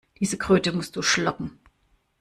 Diese Kröte musst du schlucken.